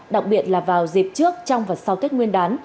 đặc biệt là vào dịp trước trong và sau tết nguyên đán